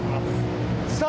さあ